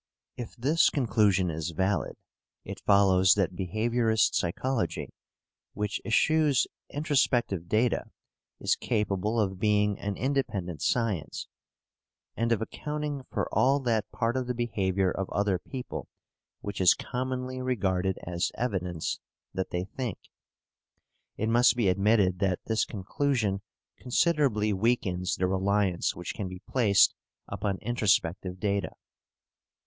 If this conclusion is valid, it follows that behaviourist psychology, which eschews introspective data, is capable of being an independent science, and of accounting for all that part of the behaviour of other people which is commonly regarded as evidence that they think. It must be admitted that this conclusion considerably weakens the reliance which can be placed upon introspective data.